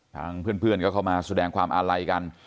ทางเพื่อนก็เข้ามาแสดงความอาลัยกัน